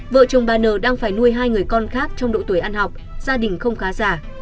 vợ chồng bà n đang phải nuôi hai người con khác trong độ tuổi ăn học gia đình không khá giả